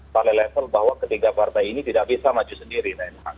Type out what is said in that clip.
pada level bahwa ketiga partai ini tidak bisa maju sendiri